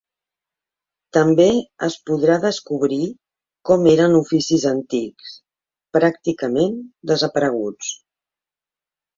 També es podrà descobrir com eren oficis antics, pràcticament desapareguts.